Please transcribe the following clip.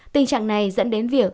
tình trạng này dẫn đến việc